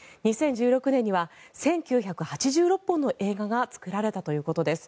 ２０１６年には１９８６本の映画が作られたということです。